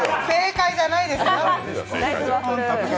正解じゃないですよ。